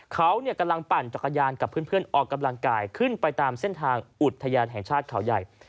เขากำลังปั่นจักรยานกับเพื่อนออกกำลังกายขึ้นไปตามเส้นทางอุทยานแห่งชาติเขาใหญ่